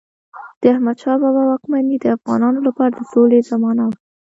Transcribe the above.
د احمدشاه بابا واکمني د افغانانو لپاره د سولې زمانه وه.